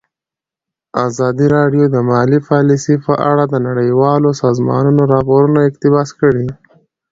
ازادي راډیو د مالي پالیسي په اړه د نړیوالو سازمانونو راپورونه اقتباس کړي.